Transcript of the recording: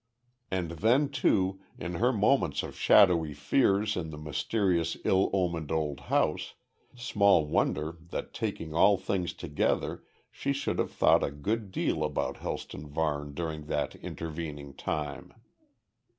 And then, too, in her moments of shadowy fears in the mysterious ill omened old house small wonder that taking all things together she should have thought a good deal about Helston Varne during that intervening time.